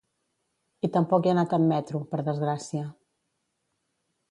I tampoc he anat amb metro, per desgràcia.